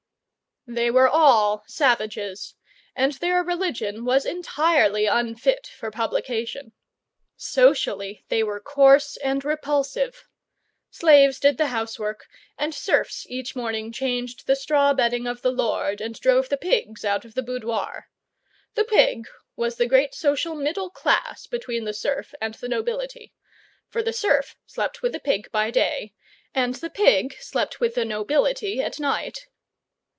They were all savages, and their religion was entirely unfit for publication. Socially they were coarse and repulsive. Slaves did the housework, and serfs each morning changed the straw bedding of the lord and drove the pigs out of the boudoir. The pig was the great social middle class between the serf and the nobility: for the serf slept with the pig by day, and the pig slept with the nobility at night.